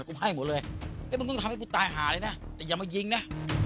กูให้หมดเลยมึงต้องทำให้กูตายหาเลยนะแต่อย่ามายิงนะ